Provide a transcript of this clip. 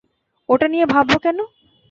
ওটা নিয়ে ভাবব কেন?